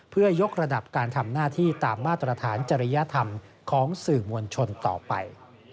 เพื่อยกระดับการทำหน้าที่ตามมาตรฐานจริยธรรมของสื่อมวลชนต่อไป